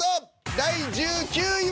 第１９位は。